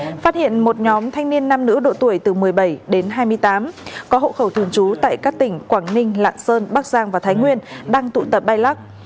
phát hiện một nhóm thanh niên nam nữ độ tuổi từ một mươi bảy đến hai mươi tám có hậu khẩu thường trú tại các tỉnh quảng ninh lạng sơn bắc giang và thái nguyên đang tụ tập bay lắc